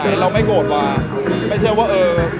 แต่ว่าถ้าเกิดว่าเข้าใจผิดจริงหรอ